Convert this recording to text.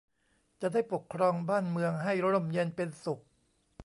จะได้ปกครองบ้านเมืองให้ร่มเย็นเป็นสุข